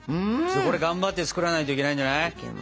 これ頑張って作らないといけないんじゃない？